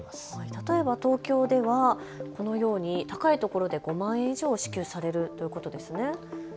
例えば東京ではこのように高いところで５万円以上、支給されるということですね。